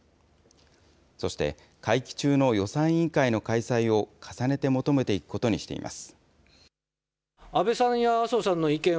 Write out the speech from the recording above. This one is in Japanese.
そして会期中の予算委員会の開催を重ねて求めていくことにしています。